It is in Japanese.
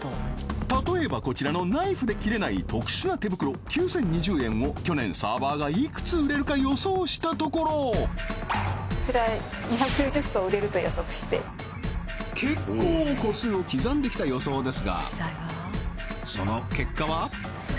例えばこちらのナイフで切れない特殊な手袋９０２０円を去年サーバーがいくつ売れるか予想したところこちら２９０双売れると予測して結構個数を刻んできた予想ですがその結果は？